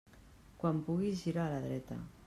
Quan puguis, gira a la dreta.